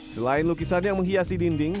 selain lukisan yang menghiasi dinding